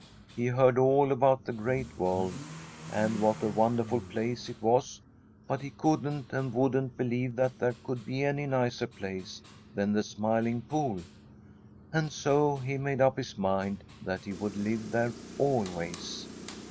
He heard all about the Great World and what a wonderful place it was, but he couldn't and wouldn't believe that there could be any nicer place than the Smiling Pool, and so he made up his mind that he would live there always.